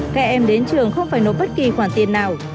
các em đến trường không phải nộp bất kỳ khoản tiền nào